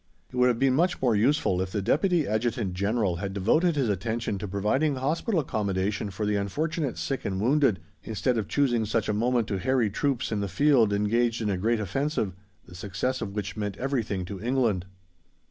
It would have been much more useful if the Deputy Adjutant General had devoted his attention to providing Hospital accommodation for the unfortunate sick and wounded, instead of choosing such a moment to harry troops in the field engaged in a great offensive, the success of which meant everything to England.